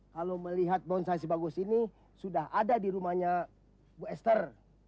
kalau melihat bonsasi bagus ini sudah ada di rumahnya bu esther